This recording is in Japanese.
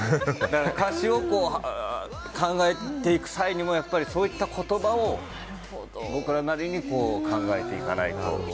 だから歌詞を考えていく際にもそういった言葉を僕らなりに考えていかないと。